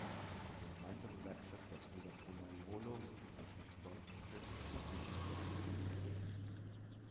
Die gemeinsame Werkstatt der Brüder Pollaiuolo gilt als die bedeutendste im Florenz der Renaissance.